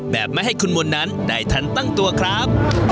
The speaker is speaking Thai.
แบบไม่ให้คุณมนต์นั้นได้ทันตั้งตัวครับ